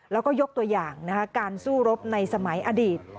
แล้วก็ยกตัวอย่างการสู้รบในสมัยอดีต